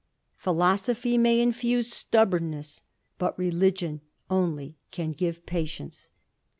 Philosophy may infuse stubbornness, but ReUgion only can give patience.